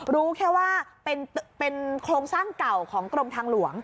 รู้แค่ว่าเป็นโครงสร้างเก่าของกรมทางหลวง